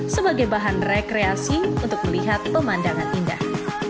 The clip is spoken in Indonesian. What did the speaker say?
sebagai bahan rekreasi untuk melihat pemandangan indah